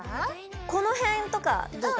この辺とかどうかな？